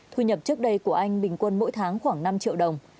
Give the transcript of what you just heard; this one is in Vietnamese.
thu nhập trước đây của anh bình quân mỗi tháng khoảng năm triệu đồng